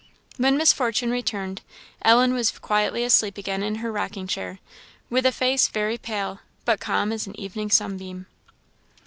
When Miss Fortune returned, Ellen was quietly asleep again in her rocking chair, with a face very pale, but calm as an evening sunbeam.